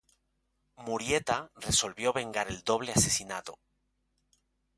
Murieta resolvió vengar el doble asesinato.